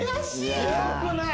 よくない。